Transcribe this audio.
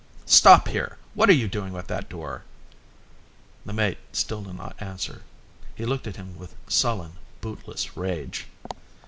"Stop here. What are you doing with that door?" The mate still did not answer. He looked at him with sullen, bootless rage.